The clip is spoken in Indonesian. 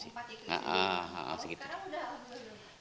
sekarang udah alhamdulillah